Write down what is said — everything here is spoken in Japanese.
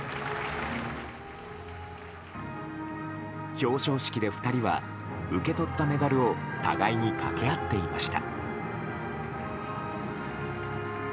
表彰式で２人は受け取ったメダルを互いにかけ合っていました。